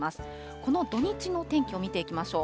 この土日の天気を見ていきましょう。